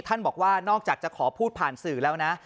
ท่านบอกว่านอกจากจะขอพูดผ่านสื่อแล้วนะ